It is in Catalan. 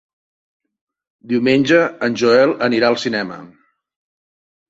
Diumenge en Joel anirà al cinema.